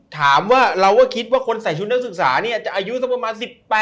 ถามว่าเราก็คิดว่าคนใส่ชุดนักศึกษาเนี่ยจะอายุสักประมาณ๑๘